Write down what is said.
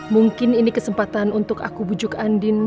mungkin ini kesempatan untuk aku bujuk andin